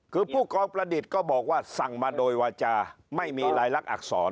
คือผู้กองประดิษฐ์ก็บอกว่าสั่งมาโดยวาจาไม่มีลายลักษณอักษร